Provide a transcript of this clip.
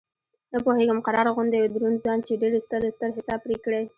نه پوهېږم قرار غوندې دروند ځوان چې ډېر ستر حساب پرې کړی.